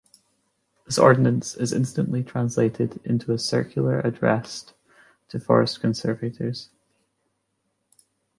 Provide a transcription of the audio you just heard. This ordinance is instantly translated into a circular addressed to forest conservators.